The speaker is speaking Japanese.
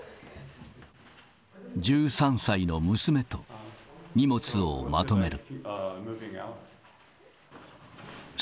１３歳の娘と荷物をまとめる。